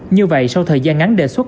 như vậy sau thời gian ngắn đề xuất